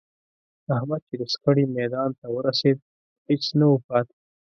احمد چې د شخړې میدان ته ورسېد، هېڅ نه و پاتې